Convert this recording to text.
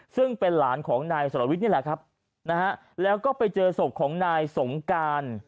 ซึ่งเป็นหลานของนายสรวิทย์นี่แหละครับนะฮะแล้วก็ไปเจอศพของนายสงการ